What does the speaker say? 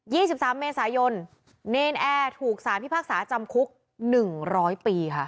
ี่สิบสามเมษายนเนรนแอร์ถูกสารพิพากษาจำคุกหนึ่งร้อยปีค่ะ